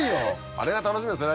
あれが楽しみですね